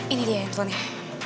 ini dia handphonenya